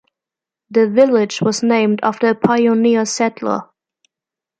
The village was named after a pioneer settler.